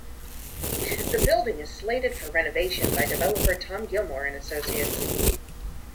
The building is slated for renovation by developer Tom Gilmore and Associates.